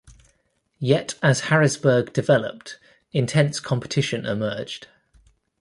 Yet as Harrisburg developed, intense competition emerged.